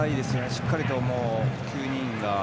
しっかりと９人が。